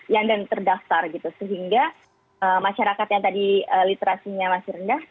yang dan terdaftar gitu sehingga masyarakat yang tadi literasinya masih rendah